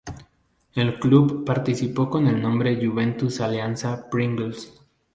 El club participó con el nombre Juventud Alianza Pringles.